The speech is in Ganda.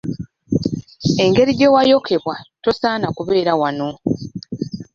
Engeri gye wayokebwa tosaana kubeera wano.